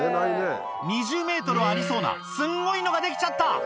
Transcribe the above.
２０メートルはありそうな、すんごいのが出来ちゃった。